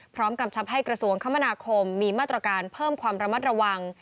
กำชับให้กระทรวงคมนาคมมีมาตรการเพิ่มความระมัดระวัง